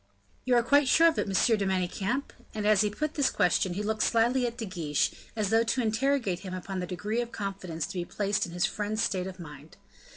"You are quite sure of it, Monsieur de Manicamp?" and as he put this question, he looked slyly at De Guiche, as though to interrogate him upon the degree of confidence to be placed in his friend's state of mind.